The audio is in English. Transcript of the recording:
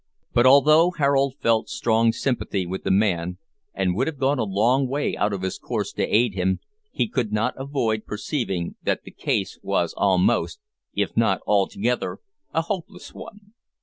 But although Harold felt strong sympathy with the man, and would have gone a long way out of his course to aid him, he could not avoid perceiving that the case was almost, if not altogether, a hopeless one.